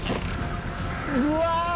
うわ！